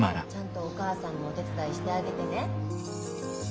ちゃんとお母さんのお手伝いしてあげてね。